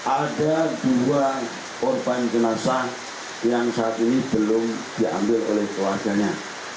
ada dua korban jenazah yang saat ini belum diambil oleh keluarganya